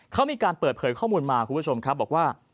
เขามีการเปิดเผยข้อมูลมาคุณผู้ชมครับบอกว่า